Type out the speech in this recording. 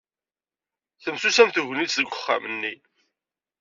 Temsusam tegnit deg uxxam-nni.